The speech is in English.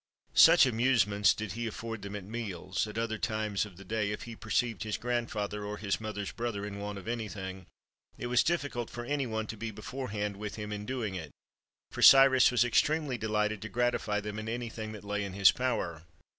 Such amusement did he aflford them at meals; at other times of the day, if he perceived his grandfather or his mother's brother in want of anything, it was difficult for any one to be beforehand with him in doing it; for Cyrus was extremely delighted to gratify them in anything that lay in his power.